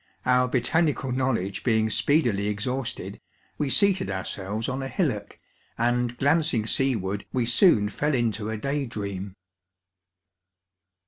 Our botanical knowledge being speedily ex hausted, we seated ourselves on a hillock, and glancing seaward wc soon fell into a day dream.